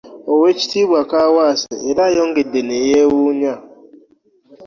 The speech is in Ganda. Oweekitiibwa Kaawaase era ayongedde ne yeewuunya